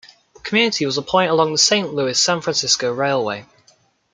The community was a point along the Saint Louis-San Francisco Railway.